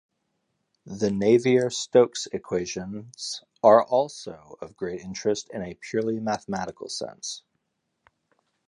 The Navier-Stokes equations are also of great interest in a purely mathematical sense.